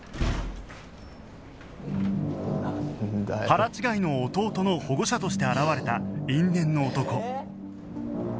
腹違いの弟の保護者として現れた因縁の男